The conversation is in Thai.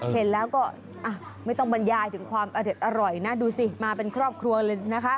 เห็นแล้วก็ไม่ต้องบรรยายถึงความอเด็ดอร่อยนะดูสิมาเป็นครอบครัวเลยนะคะ